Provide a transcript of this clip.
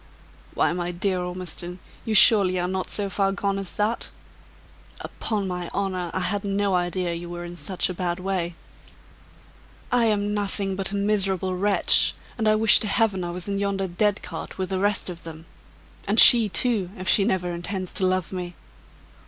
"Why, my dear Ormiston, you surely are not so far gone as that? Upon my honor, I had no idea you were in such a bad way." "I am nothing but a miserable wretch! and I wish to Heaven I was in yonder dead cart, with the rest of them and she, too, if she never intends to love me!"